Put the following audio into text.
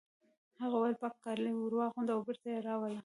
هغه وویل پاک کالي ور واغونده او بېرته یې راوله